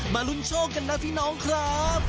ลุ้นโชคกันนะพี่น้องครับ